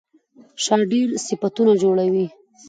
شا ډېر صفتونه جوړوي.